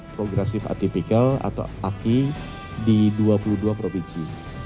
progresif atipikal atau aki di dua puluh dua provinsi